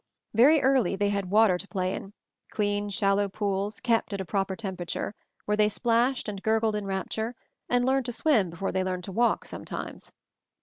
Very early they had water to play in; clean, shallow pools, kept at a proper tem perature, where they splashed and gurgled in rapture, and learned to swim before they learned to walk, sometimes.